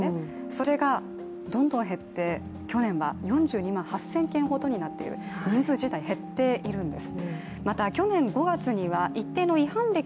それが、どんどん減って去年は４２万８０００件ほどになっている、人数自体、減っているんです。